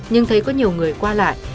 nhưng thấy có nhiều người qua lại